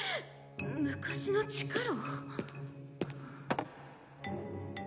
昔の地下牢？